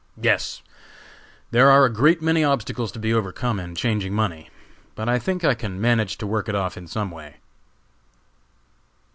"Yes, there are a great many obstacles to be overcome in changing the money, but I think I can manage to work it off in some way."